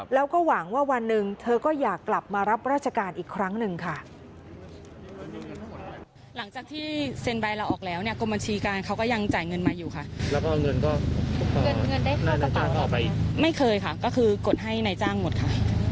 แล้วก็หวังว่าวันหนึ่งเธอก็อยากกลับมารับราชการอีกครั้งหนึ่งค่ะ